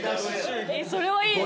それはいいです。